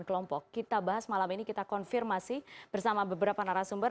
kita konfirmasi bersama beberapa narasumber